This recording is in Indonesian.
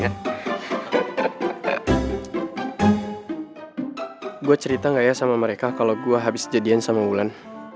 gue cerita gak ya sama mereka kalau gue habis jadian sama mulan